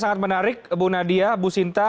sangat menarik bu nadia bu sinta